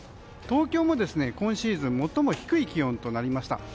東京も今シーズン最も低い気温となりました。